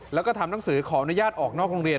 แล้วก็ทำหนังสือขออนุญาตออกนอกโรงเรียน